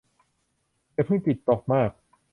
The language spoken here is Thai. อย่าเพิ่งจิตตกมาก